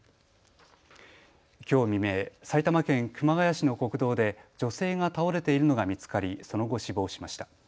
きょう未明、埼玉県熊谷市の国道で女性が倒れているのが見つかりその後、死亡しました。